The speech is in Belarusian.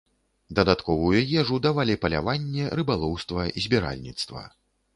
Дадатковую ежу давалі паляванне, рыбалоўства, збіральніцтва.